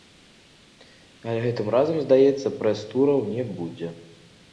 Але гэтым разам, здаецца, прэс-тураў не будзе.